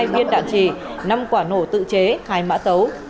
một mươi hai viên đạn trì năm quả nổ tự chế hai mã tấu